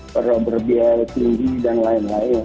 perbualan biaya tinggi dan lain lain